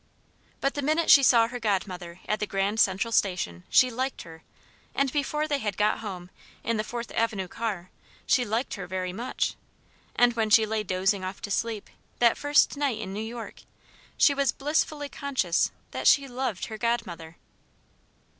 But the minute she saw her godmother at the Grand Central Station, she liked her; and before they had got home, in the Fourth Avenue car, she liked her very much; and when she lay dozing off to sleep, that first night in New York, she was blissfully conscious that she loved her godmother.